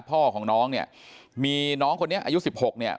พ่อของน้องเนี่ยมีน้องคนนี้อายุสิบหกเนี่ย